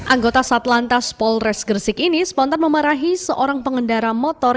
anggota satlantas polres gresik ini spontan memarahi seorang pengendara motor